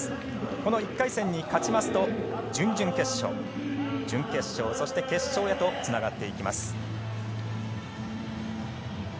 この１回戦に勝ちますと準々決勝、準決勝、そして決勝へとつながっていきます。